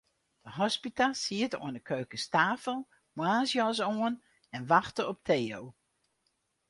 De hospita siet oan 'e keukenstafel, moarnsjas oan, en wachte op Theo.